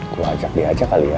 gue ajak dia ajak kali ya